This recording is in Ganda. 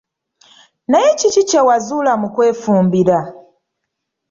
Naye kiki kye wazuula mu kwefumbira?